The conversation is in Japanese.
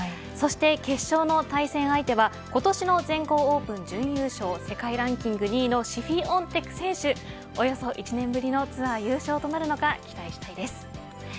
そして決勝の対戦相手は今年の全豪オープン準優勝世界ランキング２位のシフィオンテク選手およそ１年ぶりのツアー優勝となるのか期待したいです。